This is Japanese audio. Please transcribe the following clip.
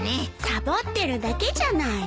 サボってるだけじゃない。